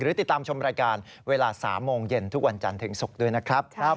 ติดตามชมรายการเวลา๓โมงเย็นทุกวันจันทร์ถึงศุกร์ด้วยนะครับ